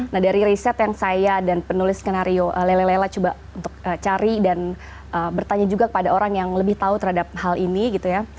nah dari riset yang saya dan penulis skenario lele lela coba untuk cari dan bertanya juga kepada orang yang lebih tahu terhadap hal ini gitu ya